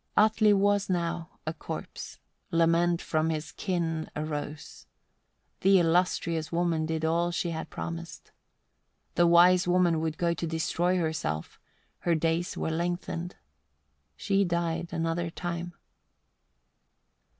103. Atli was now a corpse, lament from his kin arose: the illustrious woman did all she had promised. The wise woman would go to destroy herself; her days were lengthened: she died another time.